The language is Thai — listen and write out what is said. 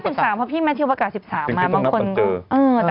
เพราะพี่แม่พิวประกาศ๑๓มา